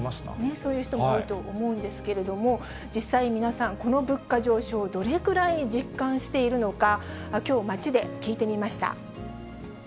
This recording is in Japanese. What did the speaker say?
そういう人も多いと思うんですけれども、実際、皆さん、この物価上昇、どれくらい実感しているのか、きょう街で聞いてみました。